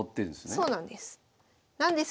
そうなんです。